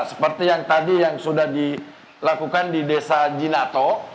seperti yang tadi yang sudah dilakukan di desa jinato